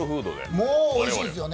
もう、おいしいですよね。